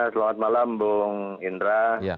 selamat malam bung indra